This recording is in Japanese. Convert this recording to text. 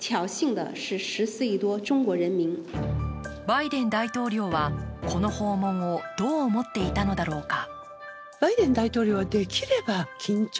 バイデン大統領はこの訪問をどう思っていたのだろうか。